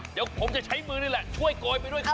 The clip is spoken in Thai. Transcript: เดี๋ยวผมจะใช้มือนี่แหละช่วยโกยไปด้วยครับ